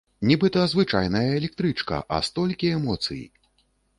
Нібыта звычайная электрычка, а столькі эмоцый!